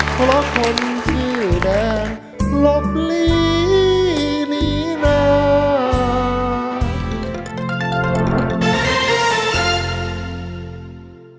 เพราะคนชื่อแดงลบลีนี้แล้ว